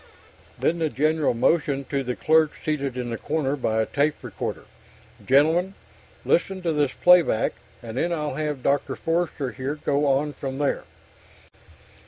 Then the general motioned to the clerk seated in the corner by a tape recorder. "Gentlemen, listen to this playback and then I'll have Dr. Forster here go on from there."